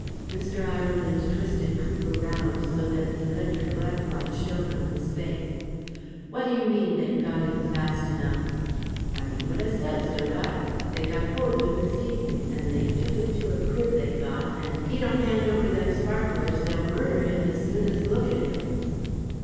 Mr. Ireland twisted Cooper round, so that the electric lamplight shone on his face. "What do you mean they've got him fast enough?" "I mean what I says, don't I? They got hold of him this evening, and they've took him to a crib they got, and if he don't hand over them sparklers they'll murder him as soon as look at him."